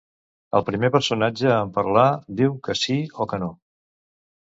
El primer personatge en parlar diu que sí o que no?